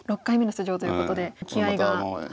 ６回目の出場ということで気合いが。